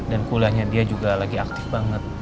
dan kuliahnya dia juga lagi aktif banget